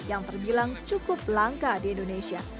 yang terbilang cukup langka di indonesia